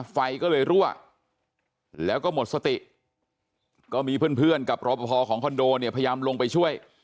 ไฟก็เลยรั่วแล้วก็หมดสติก็มีเพื่อนกับรอปภของคอนโดเนี่ยพยายามลงไปช่วย